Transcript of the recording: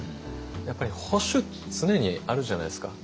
やっぱり保守って常にあるじゃないですか。